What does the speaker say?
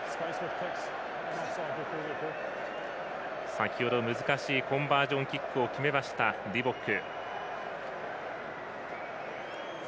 先程難しいコンバージョンキックを決めたリボック。